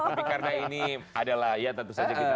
tapi karena ini adalah ya tentu saja kita